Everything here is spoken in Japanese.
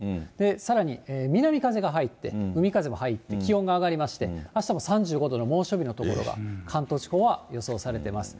さらに、南風が入って、海風も入って、気温が上がりまして、あしたも３５度の猛暑日の所が、関東地方は予想されてます。